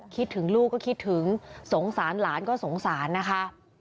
คิดถึงลูกก็คิดถึงสงสารหลานก็สงสารนะคะ